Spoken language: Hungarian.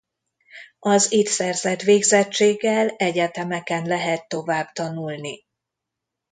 Az itt szerzett végzettséggel egyetemeken lehet továbbtanulni.